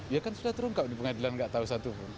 ya kan sudah terungkap di pengadilan tidak tahu satu pun